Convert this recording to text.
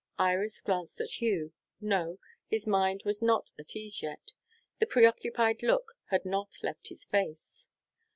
Iris glanced at Hugh. No; his mind was not at ease yet; the preoccupied look had not left his face.